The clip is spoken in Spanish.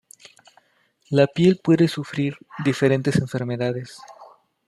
La piel puede sufrir diferentes enfermedades.